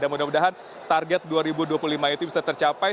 dan mudah mudahan target dua ribu dua puluh lima itu bisa tercapai